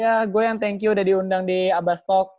ya gua yang thank you udah diundang di abas talk